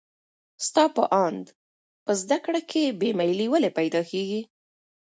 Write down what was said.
ستا په اند په زده کړه کې بې میلي ولې پیدا کېږي؟